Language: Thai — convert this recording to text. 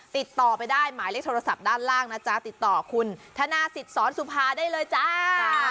ติดต่อไปได้หมายเลขโทรศัพท์ด้านล่างนะจ๊ะติดต่อคุณธนาศิษย์สอนสุภาได้เลยจ้า